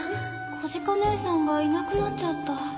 小鹿姐さんがいなくなっちゃった。